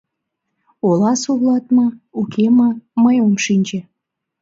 — Оласе улыт ма, уке ма — мый ом шинче.